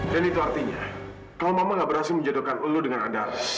dan itu artinya kalau mama gak berhasil menjodohkan lo dengan andara